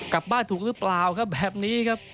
กลับบ้านถูกหรือเปล่าครับแบบนี้ครับ